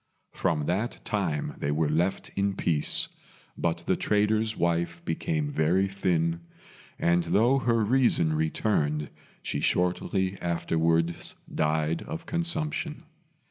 From that time they were left in peace; but the trader's wife became very thin, and though her reason returned, she shortly afterwards died of consumption.